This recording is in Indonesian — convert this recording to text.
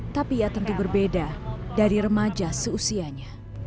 tapi ia tentu berbeda dari remaja seusianya